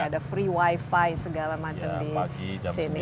ada free wifi segala macam di sini